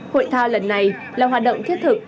hội thao lần này là hoạt động thiết thực